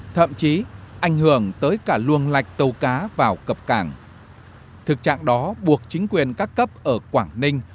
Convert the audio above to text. thậm chí ảnh hưởng tới cả luồng lạch tàu cá vào cập cảng thực trạng đó buộc chính quyền các cấp ở quảng ninh